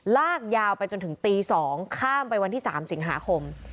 ลากยาวไปจนถึงตี๒ข้ามไปวันที่๓สิงหาคม